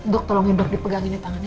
dok tolongin dok dipegangin nih tangannya